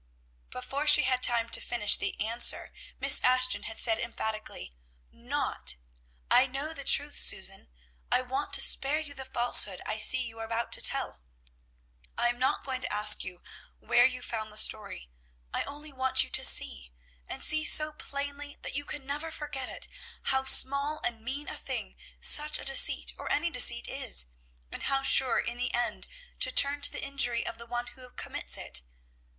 Before she had time to finish the answer, Miss Ashton had said emphatically, "not; I know the truth, Susan! I want to spare you the falsehood I see you are about to tell." "I am not going to ask you where you found the story; I only want you to see, and see so plainly that you can never forget it, how small and mean a thing such a deceit, or any deceit, is, and how sure in the end to turn to the injury of the one who commits it.